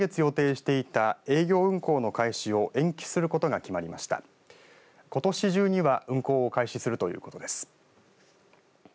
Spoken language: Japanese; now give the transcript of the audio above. ことし中には運行を開始するということです。